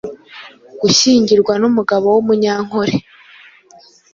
gushyingirwa n’umugabo w’Umunyankole,